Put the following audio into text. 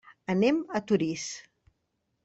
Anem a Torís.